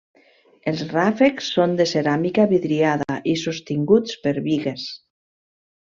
Els ràfecs són de ceràmica vidriada i sostinguts per bigues.